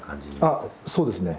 あそうですね。